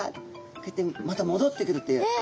こうやってまたもどってくるという。え。